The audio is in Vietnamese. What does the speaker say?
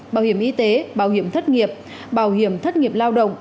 bảo hiểm y tế bảo hiểm thất nghiệp bảo hiểm thất nghiệp lao động